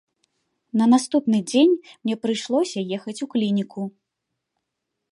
На наступны дзень мне прыйшлося ехаць у клініку.